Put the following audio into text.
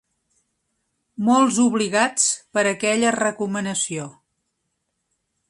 Molts obligats per aquella recomanació.